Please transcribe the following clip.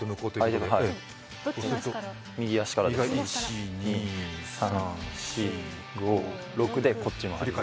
右足から１、２、３、４、５６でこっち回る。